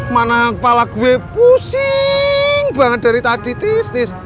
mana kepala gue pusing banget dari tadi tis tis